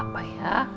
gak papa ya